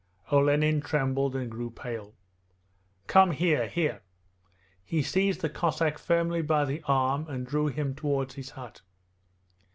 Olenin trembled and grew pale. 'Come here, here!' He seized the Cossack firmly by the arm and drew him towards his hut.